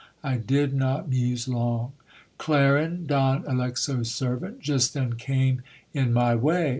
I did aot muse long. Clarin, Don Alexo's servant, just then came in my way.